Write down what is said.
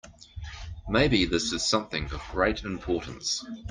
Maybe this is something of great importance.